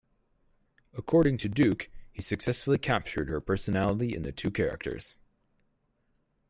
According to Duke, he successfully captured her personality in the two characters.